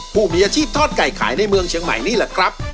ผู้มีอาชีพทอดไก่ขายในเมืองเชียงใหม่นี่แหละครับ